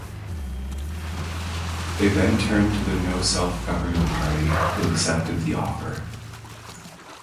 They then turned to the No Self-Government Party, who accepted the offer.